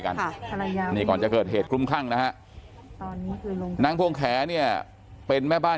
กันค่ะนี่ก่อนจะเกิดเหตุคลุมคลั่งนะฮะนางพงแขเนี่ยเป็นแม่บ้าน